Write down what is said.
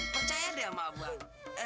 percaya deh sama abang